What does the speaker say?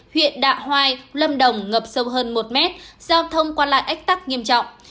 huyện đạ hoai lâm đồng ngập sâu hơn một mét giao thông qua lại ách tắc nghiêm trọng